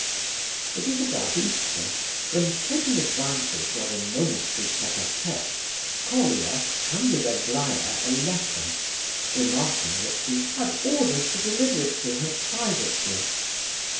It was about Easter, when, taking advantage of a momentary tête à tête Colia handed Aglaya a letter, remarking that he "had orders to deliver it to her privately."